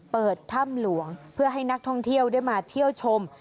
เปิดถ้ำหลวงเพื่อให้นักท่องเที่ยวได้มาเที่ยวชม